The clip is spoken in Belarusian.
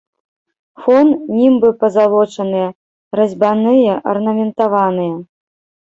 Фон, німбы пазалочаныя, разьбяныя, арнаментаваныя.